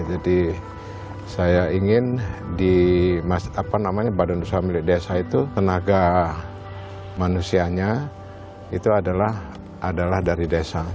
jadi saya ingin di badan usaha milik desa itu tenaga manusianya itu adalah dari desa